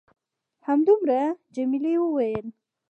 همدومره؟ جميلې وويل:.